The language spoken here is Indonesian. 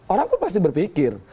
orang pun pasti berpikir